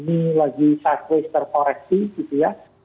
ini lagi sideways terkoreksi gitu ya